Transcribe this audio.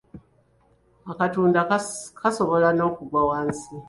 Akatunda kasobola n'okugwa wansi.